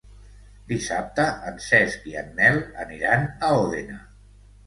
Dissabte en Cesc i en Nel aniran a Òdena.